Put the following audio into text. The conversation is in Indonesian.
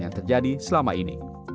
yang terjadi selama ini